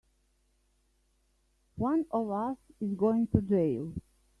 One of us is going to jail!